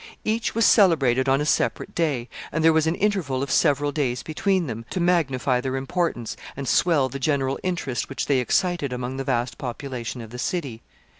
Each was celebrated on a separate day, and there was an interval of several days between them, to magnify their importance, and swell the general interest which they excited among the vast population of the city.